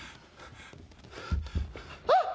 「あっ！